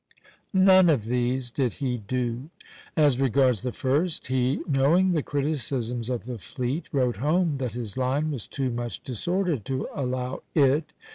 None of these did he do. As regards the first, he, knowing the criticisms of the fleet, wrote home that his line was too much disordered to allow it.